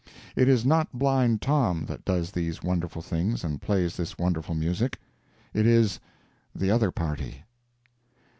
It is not Blind Tom that does these wonderful things and plays this wonderful music—it is the other party.